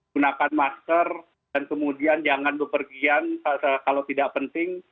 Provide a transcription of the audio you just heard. gunakan masker dan kemudian jangan bepergian kalau tidak penting